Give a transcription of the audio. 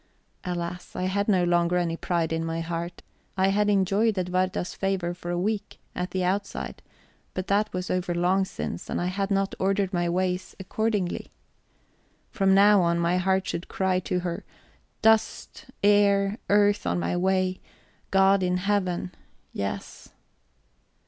Alas, I had no longer any pride in my heart; I had enjoyed Edwarda's favour for a week, at the outside, but that was over long since, and I had not ordered my ways accordingly. From now on, my heart should cry to her: Dust, air, earth on my way; God in Heaven, yes...